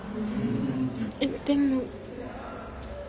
えっでも。